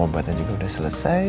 minum obatnya juga udah selesai